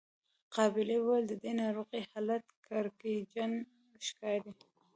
قابلې وويل د دې ناروغې حالت کړکېچن ښکاري.